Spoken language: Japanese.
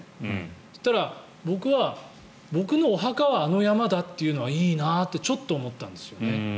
そしたら、僕は僕のお墓はあの山だというのはいいなってちょっと思ったんですよね。